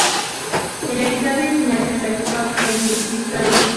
El episodio final se realizó en Melbourne, Victoria.